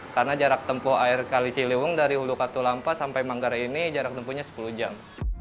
karena jarak tempuh air kali ciliwung dari ulu katulampai sampai manggarai ini jarak tempuhnya sepuluh jam